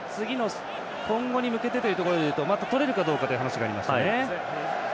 今後に向けてというとまた取れるかどうかという話がありましたね。